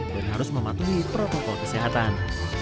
dan harus mematuhi protokol kesehatan